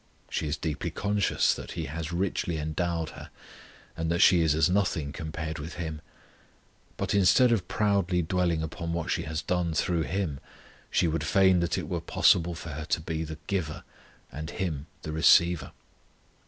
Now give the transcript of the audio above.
She is deeply conscious that He has richly endowed her, and that she is as nothing compared with Him; but instead of proudly dwelling upon what she has done through Him, she would fain that it were possible for her to be the giver and Him the receiver.